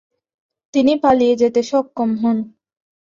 তিনি পালিয়ে যেতে সক্ষম হন।